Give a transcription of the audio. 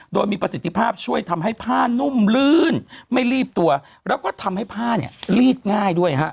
โดยมีประสิทธิภาพช่วยทำให้ผ้านุ่มลื่นไม่รีบตัวแล้วก็ทำให้ผ้าเนี่ยลีดง่ายด้วยฮะ